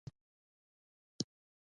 د هیچا مرید نه وو.